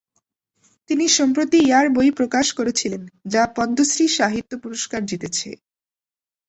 তিনি সম্প্রতি "ইয়ার" বই প্রকাশ "করেছিলেন", যা পদ্মশ্রী সাহিত্য পুরস্কার জিতেছে।